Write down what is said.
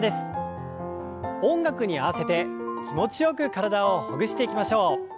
音楽に合わせて気持ちよく体をほぐしていきましょう。